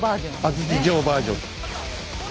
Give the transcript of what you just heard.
安土城バージョン。